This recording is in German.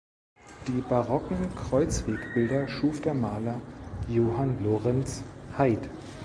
Die barocken Kreuzwegbilder schuf der Maler Johann Lorenz Haid.